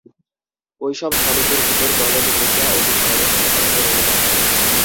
ঐ-সব সমিতির ভিতর গলদ ঢুকিয়া অতি ভয়াবহ ব্যাপারে পরিণত হয়।